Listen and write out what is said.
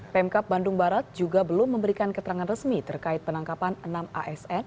pemkap bandung barat juga belum memberikan keterangan resmi terkait penangkapan enam asn